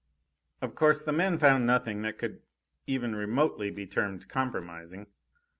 Of course, the men found nothing that could even remotely be termed compromising.